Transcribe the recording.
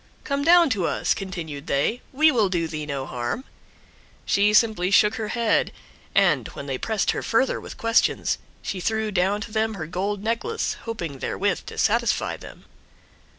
"Come down to us," continued they, "we will do thee no harm." She simply shook her head, and, when they pressed her further with questions, she threw down to them her gold necklace, hoping therewith to satisfy them.